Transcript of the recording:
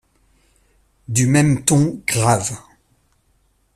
du même ton grave.